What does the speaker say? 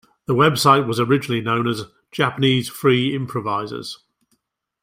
The website was originally known as "Japanese Free Improvisers".